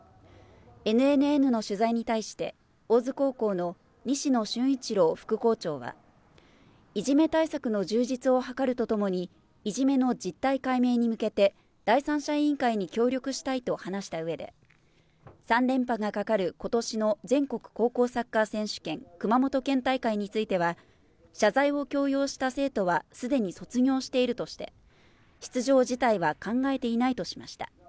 ＮＮＮの取材に対して、大津高校の西野俊一郎副校長は、いじめ対策の充実を図るとともに、いじめの実態解明に向けて、第三者委員会に協力したいと話したうえで、３連覇がかかることしの全国高校サッカー選手権熊本県大会については、謝罪を強要した生徒はすでに卒業しているとして、出場辞退は考えていないとしました。